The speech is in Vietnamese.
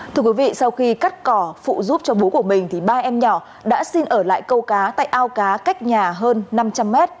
thưa quý vị sau khi cắt cỏ phụ giúp cho bố của mình thì ba em nhỏ đã xin ở lại câu cá tại ao cá cách nhà hơn năm trăm linh m